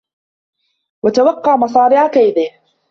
وَتَوَقَّى مَصَارِعَ كَيْدِهِ